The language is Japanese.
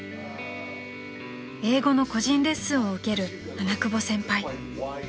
［英語の個人レッスンを受ける七久保先輩］